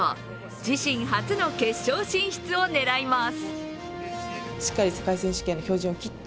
自身初の決勝進出を狙います。